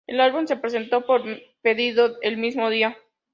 El álbum se presentó por pedido el mismo día.